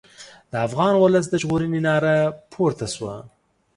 د افغان ولس د ژغورنې ناره پورته شوه.